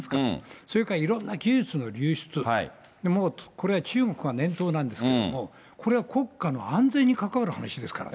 それからいろんな技術の流出、これは中国が念頭なんですけれども、これは国家の安全に関わる話ですからね。